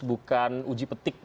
bukan uji petik